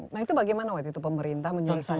nah itu bagaimana waktu itu pemerintah menyelesaikan